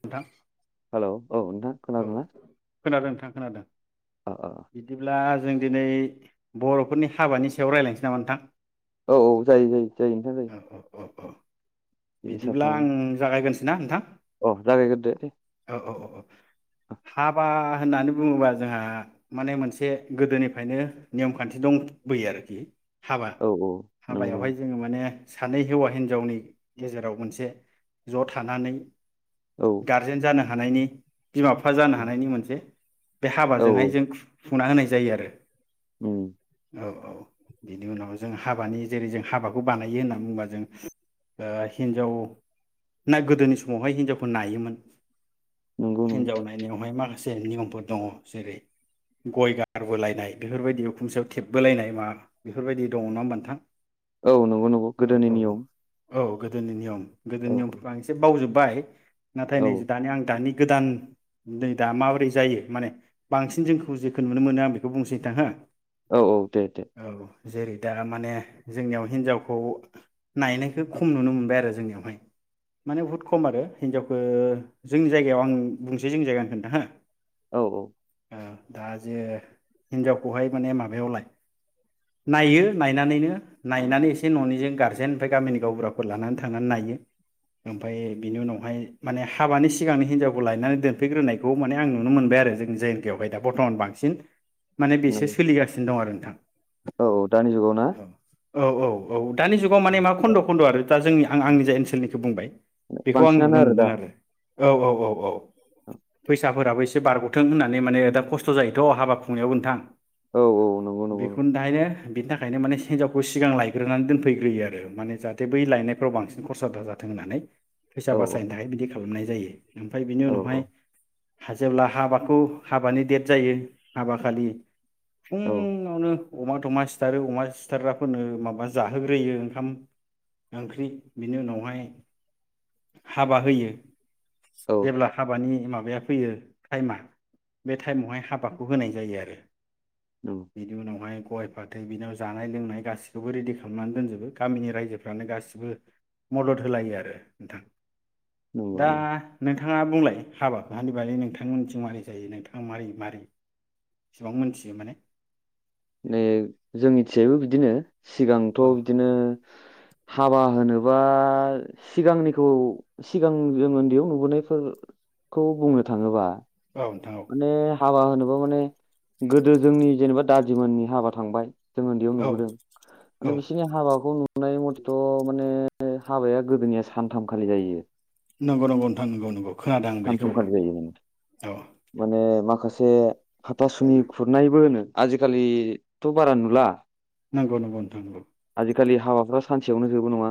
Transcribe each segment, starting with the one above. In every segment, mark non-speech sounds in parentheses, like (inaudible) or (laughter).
नोंथां हेल' औ नोंथां औ खोनादोंना? खोनादों नोंथां खोनादों। अ अ बिदिब्ला जों दिनै बर'फोरनि हाबानि सायाव रायजलायनोसै नामा नोंथां। औ औ जायो जायो जायो नोंथां जायो। औ औ औ औ बिनि बिदिब्ला आं साफ्रावहाय जागायग्रोनोसै ना नोंथां। अ जागायग्रोदो दे औ औ औ हा बा फा होननानै बुङोबा जोंहा माने मोनसे गोदोनिफ्रायनो नियम खान्थि दंबोयो आरो। हाबा औ औ नंगौ नंगौ हाबायावहाय जोङो माने सानै हौवा हिन्जावनि गेजेराव मोनसे ज' थानानै औ गारजेन जानो। हानायनि बिमा बिफा जानो हानायनि मोनसे बे औ हाबाजोंहाय जों सुंना होनाय जायो आरो उम औ औ बिनि उनाव जों हाबानि जेरै जों हाबाखौ बानायो होननानै बुङोबा जों हिनजाव ना गोदोनि समावहाय हिनजाव नायोमोन। नंगौ नंगौ हिजावनाय नाइनायाव मा से नियमफोर दङ जेरै गय गारबोलायनाय बेफोरबायदि खुमसेयाव थेबबोलायनाय मा बेफोरबायदि दङ नङा ओमबा नोंथां। औ नंगौ नंगौ औ गोदोनि औ नियम। औ गोदोनि नियम। गोदो औ नियमफोरखौ आं एसे बावजोब बाय नाथाय नै औ दानिया आं दानि गोदान नै दा माबोरै जायो माने बांसिन जोंखौ जेखौ नुनो मोनो आं बेखौ बुंसै नोंथां हो। औ औ दे दे। औ जेरै दा माने जोंनियाव हिनजावखौ नायनायखौ खम नुनो मोनबाय आरो जोंनियावहाय माने बहुद खम आरो हिनजावखौ जोंनि जायगायाव आं बुंसै जोंनि जायगा होनखोनथ हो। औ औ दा जे हिनजावखौहाय माने माबायावलाय नायो नायनानैनो नायनानै एसे न'निजों गारजेन ओमफ्राय गामिनि गावबुराफोर लानानै थांनानै नायो ओमफ्राय बिनि उनाव ओमाय माने हाबानि सिगांनि हिनजावखौ लायनानै दोनफैग्रोनायखौ माने आं नुनो मोनबाय आरो जोंनि जायगाआवहाय दा बर्थमान बांसिन। माने बेसो नंगौ सोलिगासिनो दं आरो नोंथां औ औ दानि जुगाव ना। औ औ औ औ दानि जुगाव माने मा खन्द' खन्द' आरो दा जोंनि आं आंनि जाय ओनसोलनिखौ बुंबाय। बे खौ आं बांसिनानो नुनो दा मोन्दों आरो औ औ औ औ फैसाफोराबो एसे बारग'थों होननानै माने दा खस्थ' जायोथ' हाबा खुंनायाव नोंथां। औ औ नंगौ नंगौ बेखौनो दायने बिनि थाखायनो माने हिनजावखौ सिगां लायग्रोनानै दोनफैग्रोयो आरो माने जाहाथे बै लायनायफ्राव बांसिन खरसा जाथों होननानै फैसा औ बासायनो थाखाय बिदि खालामनाय जायो। ओमफाय बिनि औ उनावहाय हा जेब्ला हाबाखौ हाबानि देद जायो हाबा खालि औ फुंआवनो अमा थमा सिथारो अमा सिथारग्राफोरनो माबा जाहोग्रोयो ओंखाम ओंख्रि बिनि उनावहाय हाबा होयो। औ जेब्ला हाबानि मा बाया फैयो टाइमा बे टाइमावहाय हाबाखौ होनाय जायो आरो नंगौ बिनि उनावहाय गय फाथै बिनाव जानाय लोंनाय गाैखौबो रेडि खालामनानै दोनजोबो गामिनि रायजोफ्रानो गासिबो मदद होलायो आरो नोंथां नंगौ दा नंगौ नों थाङा बुंलाय हाबानि बागै नोंथां मोनथिं मारै जायो नोंथाङा मारै मारै इसेबां मोनथियो माने नै जोंनिथिजायबो बिदिनो सिगांथ औ बिदिनो हाबा होनोबा सिगांनिखौ सिगां जों उन्दैयाव नुबोनायफोरखौ बुंनो थाङोबा औ नोंथां औ माने हाबा होनोबा माने गोदो जोंनि जेनेबा दादिमोननि हाबा थांबाय जों उन्दैयाव औ नुबोदों औ माने बिसोरनि हाबाखौ नुनाय मथे थ माने हाबाया गोदोनिया सानथामखालि जायो नंगौ नंगौ नोंथां नंगौ नंगौ खोनादों आं बेखौ सानथामखालि जायोमोन नोंथां औ माने माखा खासे हाथासुनि खुरनायबो होनो आजिखालिथ बारा नुला नंगौ नंगौ नोंथांं नंगौ जिखालि हाबाफ्रा सानसेयावनो जोबो नङा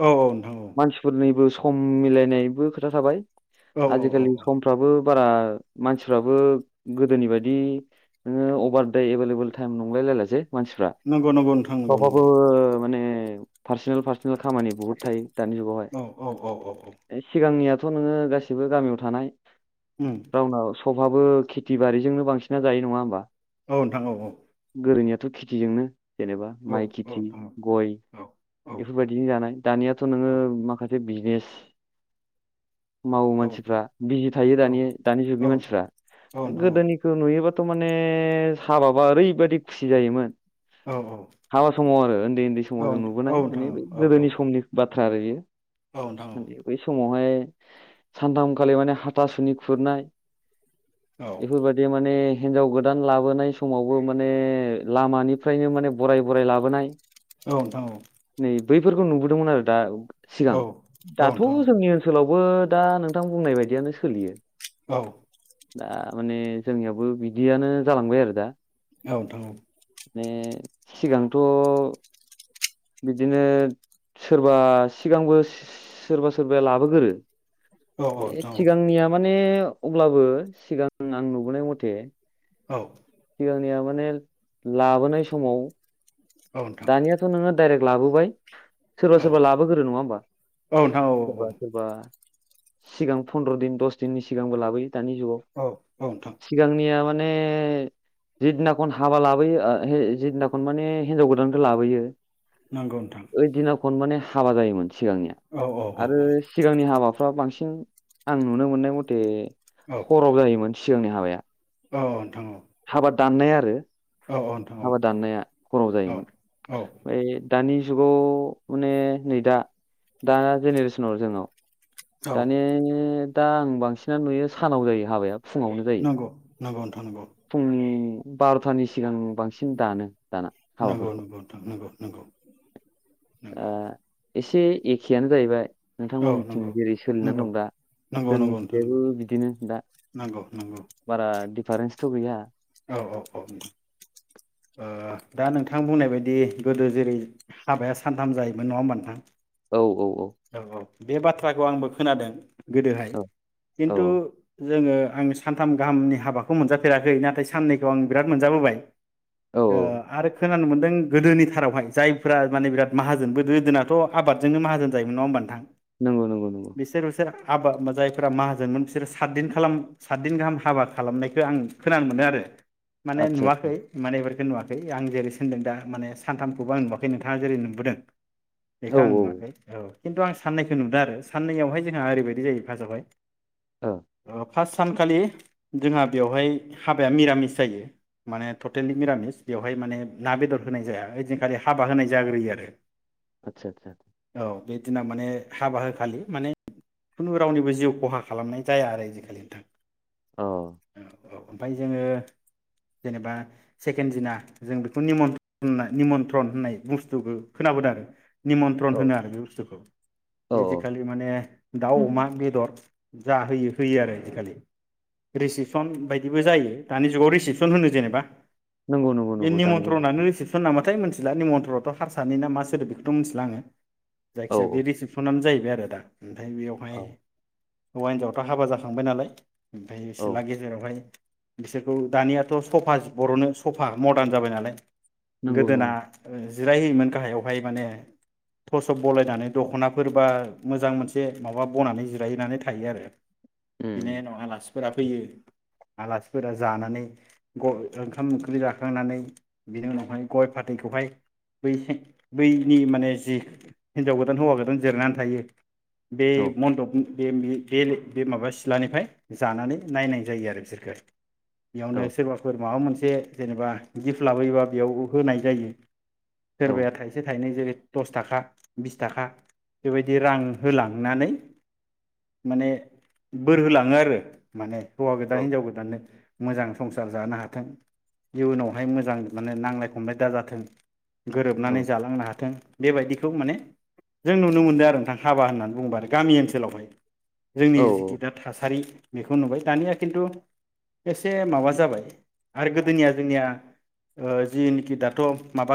औ औ नोंथां औ मानसिफोरनिबो सम मिलायनायबो खोथा थाबाय औ औ आजिखालि औ समफ्राबो बारा मानसिफ्राबो गोदोनि बायदि नोङो अभार दे एभेलेबेल टाइम नंलायलायलाजे मानसिफ्रा नंगौ नंगौ नोंथां गावबागाव ओ माने पार्सनेल पार्सनेल खामानि बहुत थायो दानि जुगावहाय नंगौ नंगौ औ औ औ औ ऐ सिगांनियाथ बुङो गासि सिबो गामियाव थानाय उम रावना स अहाबो खेथि बारिजोंनो बांसिनना जायो नङा होमबा औ नोंथां औ - औ गोदोनियाथ खेथिजोंनो जेनेबा औ माइ खेथि गय बेफोरबायदि जानाय दानियाथ औ नोङो माखासे बिज बिस मावो नोंथां मानसिफ्रा बिजि थायो औ दानि दानि औ जुगनि मानसिफ्रा औ नोंथां गोदोनिखौ नुयोबाथ थ माने हाबाबा ओरैबायदि खुसि जायोमोन औ हाबा समाव आरो उन्दै उन्दै समाव जों नुबोनाय माने नोंथां बे औ नोंथां औ गोदोनि समनि बाथ्रा थारैयो औ नोंथां बै समावहाय सानथामखालि माने हाथासुनि खुरनाय औ नोंथां औ नोंथां औ नोंथां औ नोंथां औ नोंथां औ नोंथां औ नोंथां औ बेफोर बादिया माने हिनजाव गोदान लाबोनाय समावबो माने लामानिफ्रायनो माने बराय बराय लाबोनाय। औ नोंथां औ। नै बैफोरखौ नुबोदोंमोन आरो दा। सिगां दाथ' जोंनि ओनसोलाव। वबो दा नोंथां बुंनाय बायदियानो सोलियो। औ दा माने जोंनियाबो बिदियानो जालांबाय आरो दा। औ नोंथां औ। माने सिगांथ' बिदिनो सोरबा सिगांबो सोरबा सोरबाया लाबोगोरो। ए सिगांनिया माने अब्लाबो सिगां आं नुबोनाय मथे। औ जोंनिया माने लाबोनाय समाव। दानियाथ' नोङो। डाइरेक्ट लाबोबाय। सोरबा सोरबा लाबोग्रो नङा होमबा सोरबा सोरबा। सिगां फन्द्र' दिन दस दिननि सिगांबो लाबोयो। दानि जुगाव औ नोंथां सिगांनिया माने। माने जिदिनाखन हाबा लाबोयो जिदिनाखन माने हिनजाव गोदानखौ लाबोयो। नंगौ नोंथां ओइ दिना खन माने। हाबा जायोमोन। सिगांनिया औ औ औ आरो सिगांनि हाबा फाव बांसिन आं नुनो मोननाय मथे औ हराव जायोमोन। सिगांनि हाबाया। औ नोंथां औ। हाबाद दाननाय आरो। औ औ नोंथां औ हाबा दाननाया हराव औ जायोमोन औ ओमफ्राय। दानि जुगाव माने नै दा दा जेनेरेसनाव जोंनाव। औ दानि दा आं बांसिनानो नुयो सानाव जायो हाबाया। फुङावनो जायो। नंगौ नंगौ नोंथां नंगौ। फुंनि बार'थानि सिगां बांसिन दानो। दाना नंगौ हाबाफोरखौ नंगौ नोंथां नंगौ नंगौ दा नंगौ। एसे एखेयानो जायैबाय। औ नोंथांमोननिथिं नंगौ जेरै सोलिनानै नंगौ दं दा नंगौ नंगौ नोंथां नंगौ जोंनिथिंजायबो बिदिनो दा नंगौ नंगौ बारा फारेन्स थ' गैया। औ औ औ ओ दा नोंथां बुंनाय बायदि गोदो जेरै हाबाया सानथाम जायोमोन नङा होमबा नोंथां? औ औ। औ औ। बे बाथ्राखौ आंबो खोनादों। गोदोहाय औ खिन्थु औ जोङो आं सानथाम गाहामनि हाबाखौ मोनजाफेराखै नाथाय साननैखौ आं बिराद मोनजाबोबाय। औ ओ आरो खोनानो मोनदों गोदोनि थारावहाय जायफोरा माने बिराद माहाजोन बोदो गोदोनाथ' आबादजोंनो माहाजोन जायोमोन नङा होनबा नोंथां? नंगौ नंगौ नंगौ। हाबा जायफोरा माहाजोनमोन बिसोरो सातदिन खालाम सातदिन गाहाम हाबा खालामनायखौ आं खोनानो मोनदों आरो। माने आदसा आदसा नुवाखै माने बे बेखौ नुवाखै आं जेरै सोंदों दा माने सानथामखौबो आं नुवाखै नोंथाङा जेरै नुबोदों। बेखौ औ आं नुवाखै। खिन्थु आं साननायखौ नुदों आरो। साननैआवहाय जोंहा ओरैबायदि जायो फासावहाय ओ (unintelligible) फार्स्ट सानखालि जोंहा बेवहाय हाबाया मिरामिस जायो माने टटेलि मिरामिस बेवहाय माने ना बेदर होनाय जाया ओइदिखालि हाबा होनाय जाग्रोयो आरो। आतसा आतसा। औ बे दिनाव माने हाबा होखालि माने खुनु रावनिबो जिउ खहा खालामनाय जाया आरो आजिखालि नोंथां। औ। ओमफाय जोङो जेनेबा सेकेन्जिना जों बेखौ निमन्र्थन होननाय बुस्थुखौ खोनाबोदों आरो। निमन्त्रन औ होनो आरो बे बुस्थुखौ औ बेजिखालि माने अमा बेदर जाहोयो होयो आरो आजिखालि रिसिपसन बायदिबो जायो दानि जुगाव रिसिपसन होनो जेनेबा। नंगौ नंगौ बे नंगौ दानि निमन्त्रन जुगाव नानो रिसिबसन नामा? नाथाय मिथिला निमन्थ्रथ' हारसानि ना मा सोदोब बेखौथ' मिथिला आङो। औ जायखिया बे रिसिसेपसनानो जायो। बे आरो दा उम। फाय बेवहाय औ हौवा हिनजावथ' हाबा जाखांबाय नालाय। ओमफाय सेला औ गेजेरावहाय बिसोरखौ दानियाथ' सफा बर'नो सफा मरदार जाबाय नालाय। नंगौ गोदोना नंगौ ओ जिरायहोयोमोन गाहायावहाय माने टर्सब बलायनानै दख'नाफोर बा मोजां मोनसे बे माबा बनानै जिरायनानै थायो उम आरो (unintelligible) फोरा फैयो आलासिफोरा जानानै गइ ओंखाम ओंख्रि जाखांनानै बिनि उनावहाय गय फाथैखौहाय बै बैनि माने जि हिनजाव गोदान हौवा गोदान जिरनानै थायो बे उम औ मन्दप बे मे बे ले बे माबा सिलानिफ्राय जानानै नायनाय जायो आरो बिसोरखो औ बेयावनो सोरबाफोर माबा मोनस बे जेनेबा गिफ्ट लाबोयोबा बेयाव होनाय जायो। औ सोरबाया थाइसे थाइनै जेरै दस थाखा बिस थाखा बेबायदि रां होलांनानै माने बोर होलाङो आरो माने हौवा गोदान औ हिनजाव गोदाननो। मोजां संसार जानो हाथों इयुनावहाय मोजां माने नांजलाय खमलाय दाजाथों औ गोरोबनानै जालांनो हाथों बेबायदिखौ माने जों नुनो मोनदों आरो नोंथां। हाबा होननानै बुंङीबा आरो गामि ओनसोलावहाय जोंनि औ जिखि दा थासारि बेखौ नुबाय दानिया खिन्थु एसे माबा जाबाय आरो गीदीनिया जींनिया ओ जिनिखि दाथ' माबा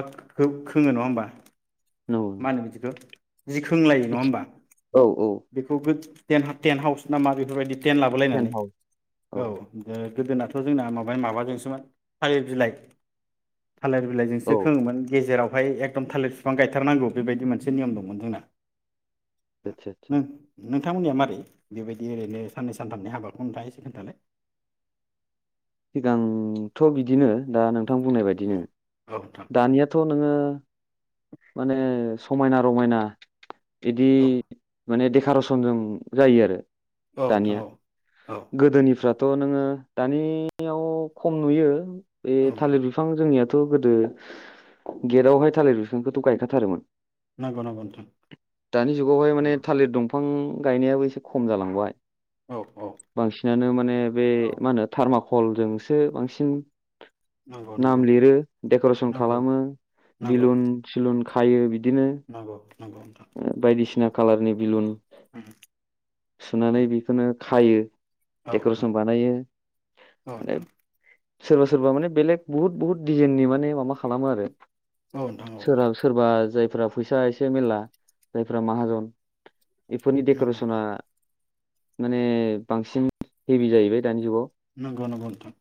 खोङो नङा होमबा मा नंगौ होनो बिदिखौ जिखोंलायो नङा होमबा? औ औ। गो टेन-टेन हाउस ना बेफोरबायदि टेन टेन्ट लाबोलायनानै हाउस औ (unintelligible) गोदोनाथ जोंना माबाइ-माबाजोंसोमोन थालिर बिलाइ। थालिर बिलाइजोंसो औ खोङोमोन गेजेराव फाय एकदम थालिर बिफां गायथारनांगौ बेबायदि मोनसे नेम दंमोन जोंना। आदसा-सा। थांमोननिया मारै बेबायदि ओरैनो साननै सानथामनि हाबाखौ नोंथाङा एसे खोन्थालाय। सिगांथ' बिदिनो दा नोंथां बुंनाय औ बायदिनो। औ नोंथां दानियाथ' नोङो माने समायना रमायना बिदि औ माने देफ। खार सनजों जायो आरो। औ दानिया नोंथां औ गोदोनिफ्रा। थ नोंङो दानियाव खम नुयो। ए औ थालिर नोंथां बिफां जोंनिया। थ गोदो गेदावहाय थालिर बिफा। थोंबथ गायखाथारोमोन। नंगौ नंगौ नोंथां (inaudible) दानि जुगावहाय माने नंगौ थालिर दं। फां गायनायाबो एसे खम जालांबाय। औ औ बांसिनानो माने बे औ मा होनो थारमाखौ। हलजोंसो बांसिन। नंगौ नाम नंगौ लिरो देकरसन नंगौ खालामो नंगौ बिलुन। सिलुन खायो बिद। बिदिनो नंगौ नंगौ नोंथां ओ बायदिसिना। कालारनि बिलुन। उम सुनानै उम बिखौनो। खायो। औ नोंथां देकरसन बानायो औ माने। नोंथां सोरबा सोरबा माने बेलेग बहुत बुहुत डिजाइननि माने माबा खालामो आरो। औ नोंथां औ औ सोरनाव सोरबा जायब। फ्रा फैसा एसे मेरला जायफ्रा माहाजन। इफोरनि नंगौ डेकरसना। नोंथां माने बांसिन हेभि जाहैबाय दानि जुगाव नंगौ नंगौ नोंथां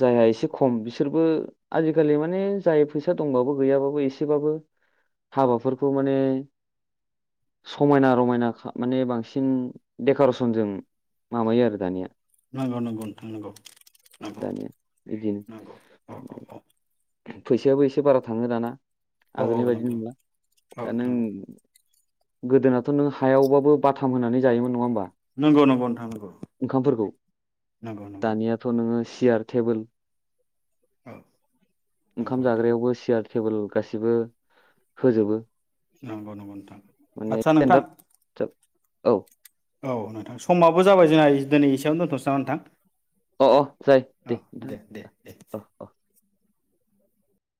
जाया एसे खम बिसोरबो आजिकालि माने जाय फैसा दंबाबो गैयाबाबो एसे एसेबाबो हाबाफोरखौ माने समायना रमायना खा माने बांसिन डेकरेसनजों माबायो आरो दानिया नंगौ नंगौ नोंथां नंगौ नंगौ दानिया बिदिनो नंगौ औ औ औ फैसायाबो एसे बारा थांङो दाना औ आगोलनि बायदि नंगौ नंला औ दा नों नोंथां औ गोदोनाथ नों हायावबाबो बाथाम होनानै जायोमोन नंङा होमबा नंगौ नंगौ नोंथां नंगौ ओंखामफोरखौ नंगौ नंगौ दानियाथ' नोङो सियार थेबोल औ (inaudible) नंगौ ओंखाम नोंथां जाग्रायावबो सियार थेबोल गासिबो होजोबो। नंगौ नंगौ नोंथां माने आदसा नोंथां स्टेन्डार्ड औ। औ नोंथां समाबो जाबाय जोंहा इज दोनै इसेयावनो दोनथ'नसै नामा नोंथां? अ अ जायो औ दे दे नोंथां दे दे अ अ।